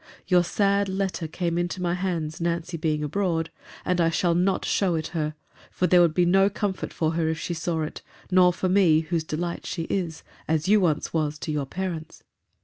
Your sad letter came into my hands, Nancy being abroad: and I shall not show it her: for there would be no comfort for her, if she saw it, nor for me, whose delight she is—as you once was to your parents.